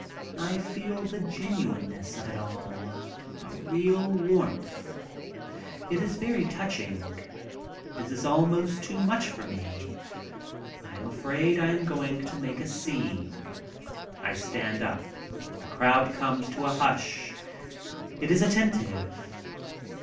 I feel the genuineness of it all, a real warmth. It is very touching. This is almost too much for me. I am afraid I am going to make a scene. I stand up. The crowd comes to a hush. It is attentive.